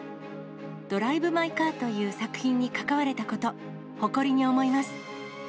ドライブ・マイ・カーという作品に関われたこと、誇りに思います。